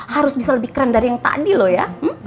harus bisa lebih keren dari yang tadi loh ya